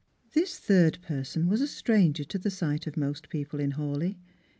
This third person was a stranger to the sight of most people m Hawleigh.